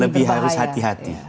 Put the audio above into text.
lebih harus hati hati